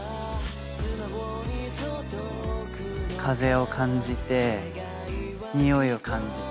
風を感じてにおいを感じて。